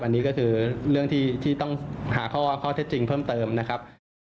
อันนี้ก็คือเรื่องที่ต้องหาข้อเท็จจริงเพิ่มเติมนะครับ